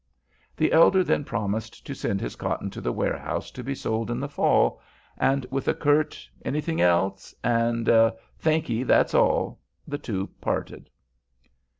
The elder then promised to send his cotton to the warehouse to be sold in the fall, and with a curt "Anything else?" and a "Thankee, that's all," the two parted.